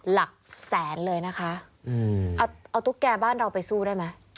หลักแสนเลยนะคะอืมเอาเอาตุ๊กแก่บ้านเราไปสู้ได้ไหม